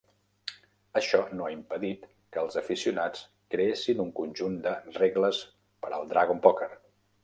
Això no ha impedit que els aficionats creessin un conjunt de "Regles per al Dragon Poker".